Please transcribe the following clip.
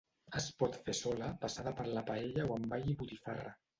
Es pot fer sola passada per la paella o amb all i botifarra.